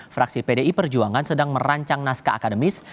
fraksi pdi perjuangan sedang merancang naskah akademis